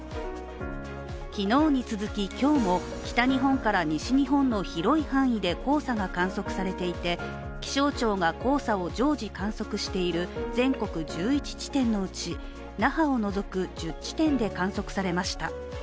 昨日に続き、今日も北日本から西日本の広い範囲で黄砂が観測されていて、気象庁が黄砂を常時観測している全国１１地点のうち那覇を除く１０地点で観測されました。